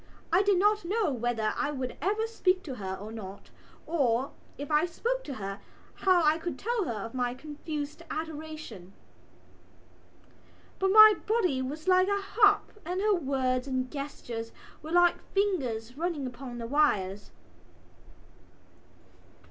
I did not know whether I would ever speak to her or not or, if I spoke to her, how I could tell her of my confused adoration. But my body was like a harp and her words and gestures were like fingers running upon the wires.